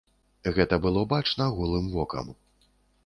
Гэта было бачна голым вокам.